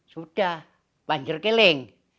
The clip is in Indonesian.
sudah panjir keling